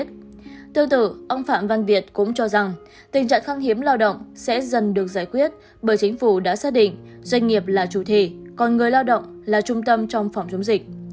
tình trạng khăng hiếm lao động sẽ dần được giải quyết bởi chính phủ đã xác định doanh nghiệp là chủ thể còn người lao động là trung tâm trong phòng chống dịch